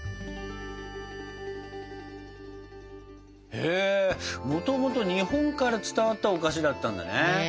へもともと日本から伝わったお菓子だったんだね。